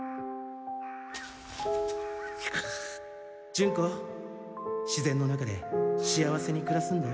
ジュンコ自然の中で幸せに暮らすんだよ。